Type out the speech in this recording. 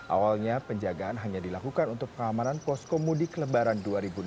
awalnya penjagaan hanya dilakukan untuk pengamanan poskomu di kelebaran dua ribu enam belas